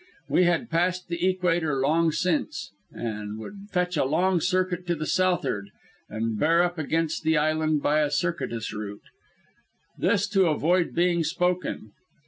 We had passed the equator long since, and would fetch a long circuit to the southard, and bear up against the island by a circuitous route. This to avoid being spoken.